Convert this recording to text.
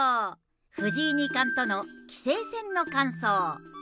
藤井二冠との棋聖戦の感想。